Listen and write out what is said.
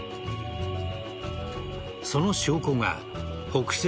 その証拠が北西